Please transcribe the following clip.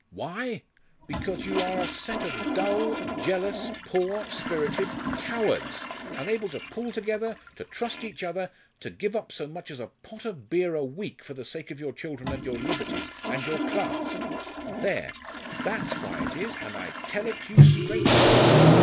Why! because you are a set of dull, jealous, poor spirited cowards, unable to pull together, to trust each other, to give up so much as a pot of beer a week for the sake of your children and your liberties and your class there, that's why it is, and I tell it you straight out!"